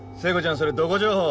それどこ情報？